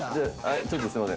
ちょっとすいません。